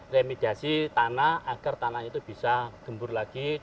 remidasi tanah agar tanah itu bisa gembur lagi